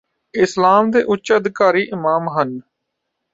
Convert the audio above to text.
ਇਸਲਾਮ ਦੇ ਉਚ ਅਧਿਕਾਰੀ ਇਮਾਮ ਹਨ